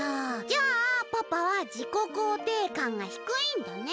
じゃあパパは自己肯定感がひくいんだね。